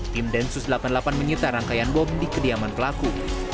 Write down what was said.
tim densus delapan puluh delapan menyita rangkaian bom di kediaman pelaku